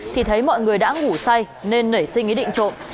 thì thấy mọi người đã ngủ say nên nảy suy nghĩ định trộm